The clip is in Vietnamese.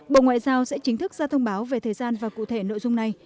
bộ ngoại giao sẽ chính thức ra thông báo về thời gian và cụ thể nội dung này